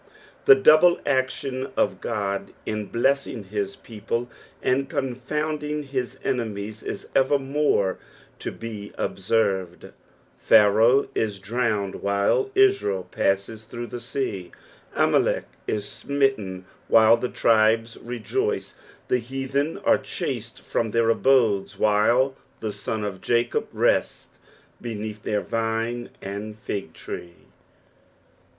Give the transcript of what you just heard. The double action of God in blessing his people and confonnding his enemies is evermore to be observed ; Pharaoh is drowned, while Israel passes through the sea ; Amalek is smitten, while the tribes rejoice ; the heathen are chased from their abodes, while the sons of Jacob rest beneath their vine and fig tree.